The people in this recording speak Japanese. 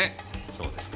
そうですか。